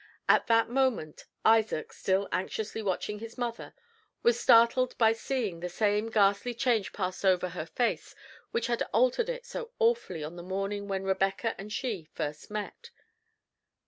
At that moment, Isaac, still anxiously watching his mother, was startled by seeing the same ghastly change pass over her face which had altered it so awfully on the morning when Rebecca and she first met.